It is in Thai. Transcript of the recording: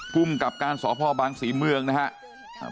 พุ่มกับการสอบพ่อบางศรีเมืองนะครับ